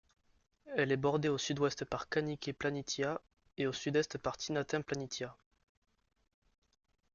Elle est bordée au sud-ouest par Kanykey Planitia et au sud-est par Tinatin Planitia.